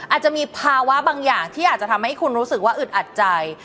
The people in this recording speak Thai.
อาจจะมีภาวะบางอย่างที่อาจจะทำให้คุณรู้สึกว่าอึดอัดใจ